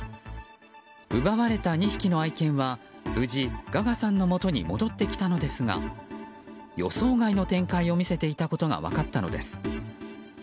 奪われた２匹の愛犬は無事ガガさんのもとに戻ってきたのですが予想外の展開を見せていたことが分かったのです。